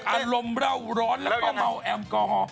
อารมณ์เล่าร้อนแล้วก็เมาแอลกอฮอล์